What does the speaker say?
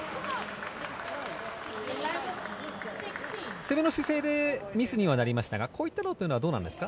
攻めの姿勢でミスにはなりましたがこういったものはどうなんですか？